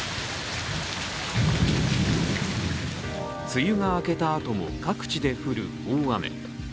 梅雨が明けたあとも、各地で降る大雨。